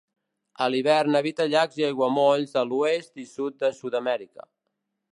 A l'hivern habita llacs i aiguamolls de l'oest i sud de Sud-amèrica.